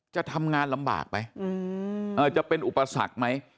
จะทำงานลำบากไหมจะเป็นอุปสรรคไหม